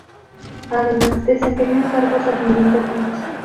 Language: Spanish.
Además desempeñó cargos administrativos.